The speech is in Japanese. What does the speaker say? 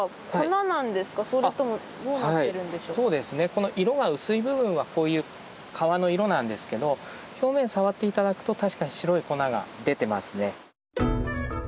この色が薄い部分はこういう皮の色なんですけど表面触って頂くと確かに白い粉が出てますね。